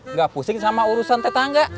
nggak pusing sama urusan tetangga